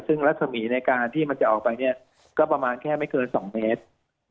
ซึ่งรัศมีในการที่มันจะออกไปก็ประมาณแค่ไม่เกิน๒เมตร